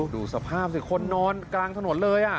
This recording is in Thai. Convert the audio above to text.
ดูสภาพสิคนนอนกลางถนนเลย